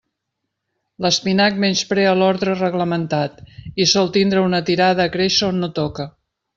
L'espinac menysprea l'ordre reglamentat i sol tindre una tirada a créixer on no toca.